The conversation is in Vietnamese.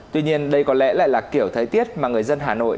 tuy nhiên đây có lẽ lại là kiểu thời tiết mà người dân hà nội